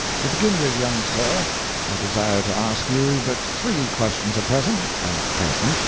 To begin with, young sir, I desire to ask you but three questions at present at present.